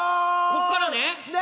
こっからね。